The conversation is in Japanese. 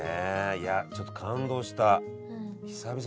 いやちょっと感動した。